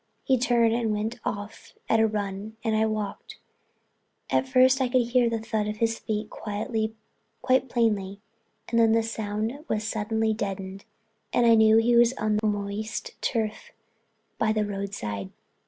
He turned and went off at a run and I walked on. At first I could hear the thud of his feet quite plainly and then the sound was suddenly deadened and I knew he was on the moist turf by the roadside.